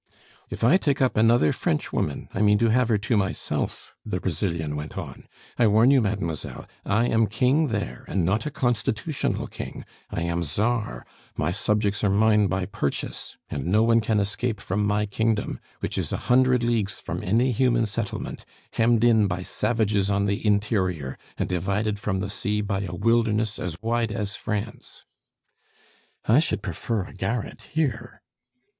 "If I take up another Frenchwoman, I mean to have her to myself," the Brazilian went on. "I warn you, mademoiselle, I am king there, and not a constitutional king. I am Czar; my subjects are mine by purchase, and no one can escape from my kingdom, which is a hundred leagues from any human settlement, hemmed in by savages on the interior, and divided from the sea by a wilderness as wide as France." "I should prefer a garret here."